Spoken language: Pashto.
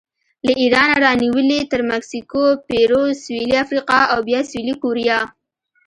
له ایرانه رانیولې تر مکسیکو، پیرو، سویلي افریقا او بیا سویلي کوریا